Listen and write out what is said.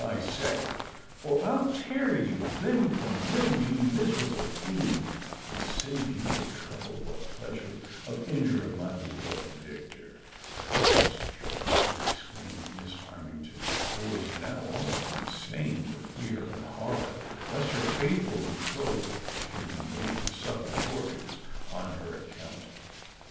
I say; or I'll tear you limb from limb, you miserable fiend, and save you the trouble or pleasure of injuring my beloved Victor," most furiously exclaimed Miss Armington, wlio was now almost insane with fear and horror, lest her faitlif ul betrothed should be made to suffer tortures on her account.